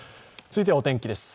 続いてはお天気です